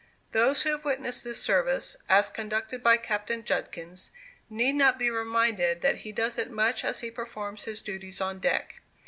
Those who have witnessed this service, as conducted by Captain Judkins, need not be reminded that he does it much as he performs his duties on deck.